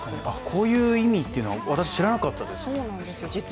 こういう意味というのは私知らなかったです。